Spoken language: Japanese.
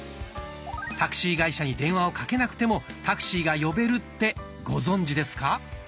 タクシー会社に電話をかけなくてもタクシーが呼べるってご存じですか？